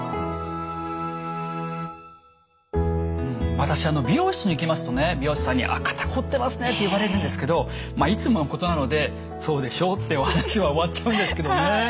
うん私あの美容室に行きますとね美容師さんに「あっ肩こってますね」って言われるんですけどいつものことなので「そうでしょ」ってお話は終わっちゃうんですけどね。